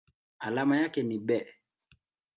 Alama yake ni Be.